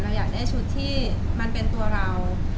อยากได้ชุดที่มันเป็นตัวเรา